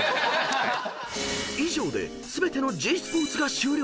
［以上で全てのｇスポーツが終了］